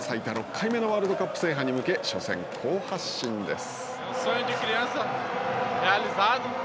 ６回目のワールドカップ制覇に向け初戦、好発進です。